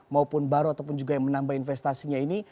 maupun baru ataupun juga yang menambah investasinya ini